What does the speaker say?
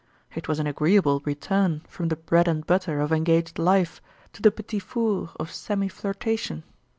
It was an agreeable return from the bread and butter of engaged life to the petits fours of semi flirtation.